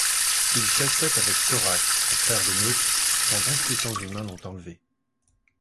Il chassait avec Torak, son frère de meute, quand d'inquiétants humains l'ont enlevé.